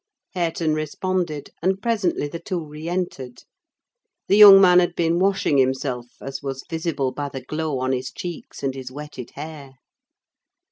Hareton responded, and presently the two re entered. The young man had been washing himself, as was visible by the glow on his cheeks and his wetted hair.